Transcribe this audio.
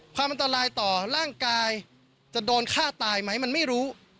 ความอันตรายต่อร่างกายจะโดนฆ่าตายไหมมันไม่รู้